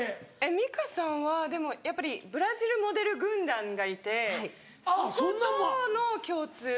ミカさんはでもやっぱりブラジルモデル軍団がいてそことの共通で。